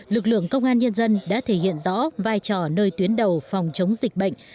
lực lượng công an nhân dân đã thể hiện rõ vai trò nơi tuyến đầu phòng chống dịch bệnh